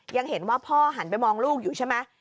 ยังเห็นว่าพ่อหันไปมองลูกอยู่ใช่ไหม